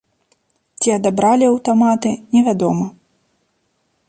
Ці адабралі аўтаматы, невядома.